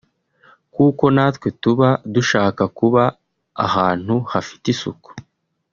kuko natwe tuba dushaka kuba ahantu hafite isuku (